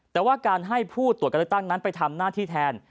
แต่ว่าการให้ผู้ตรวจการเลือกตั้งนั้นไปทำหน้าที่แทน